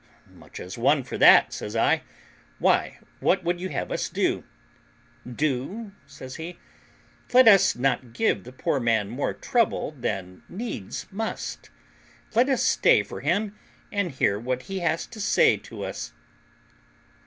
"Much as one for that," says I; "why, what would you have us do?" "Do!" says he; "let us not give the poor man more trouble than needs must; let us stay for him and hear what he has to say to us."